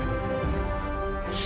assalamualaikum warahmatullahi wabarakatuh